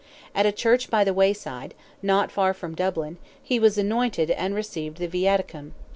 At a church by the wayside, not far from Dublin, he was anointed and received the viaticum.